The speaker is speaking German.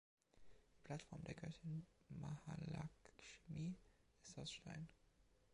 Die Plattform der Göttin Mahalakshmi ist aus Stein.